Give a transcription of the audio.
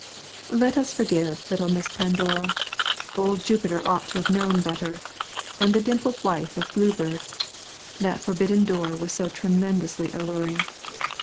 Let us forgive little Miss Pandora. Old Jupiter ought to have known better. And the dimpled wife of Bluebeard! That forbidden door was so tremendously alluring!